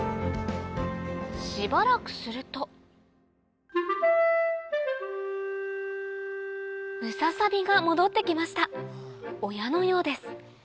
しばらくするとムササビが戻って来ました親のようです